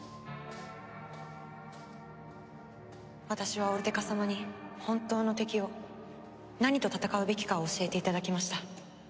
私はオルテカ様に本当の敵を何と戦うべきかを教えていただきました。